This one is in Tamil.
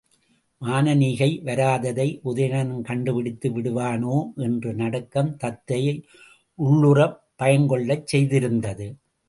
மானனீகை வராததை உதயணன் கண்டுபிடித்து விடுவானோ? என்ற நடுக்கம் தத்தையை உள்ளுறப் பயங்கொள்ளச் செய்திருந்தது.